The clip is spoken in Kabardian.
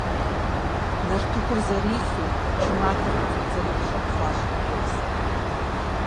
Нартыхур зэрилъу, чы матэр хыфӀидзэри къыщӀэпхъуащ хъыджэбзыр.